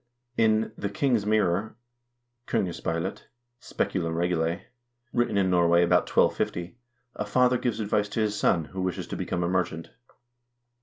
In "The King's Mirror" ("Konge speilet," "Speculum Regale"), written in Norway about 1250, a father gives advice to his son, who wishes to become a merchant.